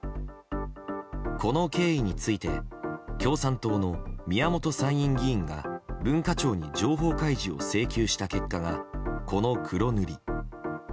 この経緯について共産党の宮本参院議員が文化庁に情報開示を請求した結果がこの黒塗り。